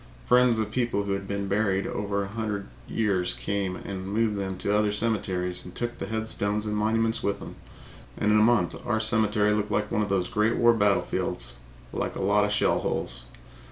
Friends of people who had been buried over a hundred years came and moved them to other cemeteries and took the headstones and monuments with them, and in a month our cemetery looked like one of those Great War battlefields like a lot of shell holes.